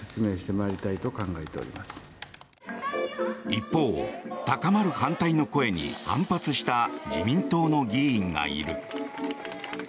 一方、高まる反対の声に反発した自民党の議員がいる。